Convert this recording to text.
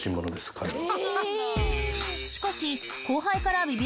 彼は。